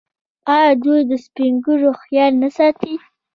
آیا دوی د سپین ږیرو خیال نه ساتي؟